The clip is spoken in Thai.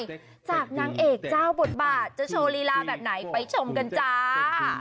จากนางเอกเจ้าบทบาทจะโชว์ลีลาแบบไหนไปชมกันจ้า